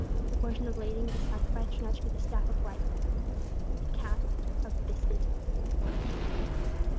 The portion of lading thus sacrificed turned out to be the staff of life the casks of biscuit and pork!